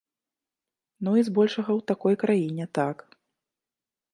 Ну і збольшага ў такой краіне, так.